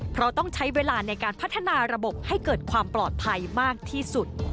เพราะต้องใช้เวลาในการพัฒนาระบบให้เกิดความปลอดภัยมากที่สุด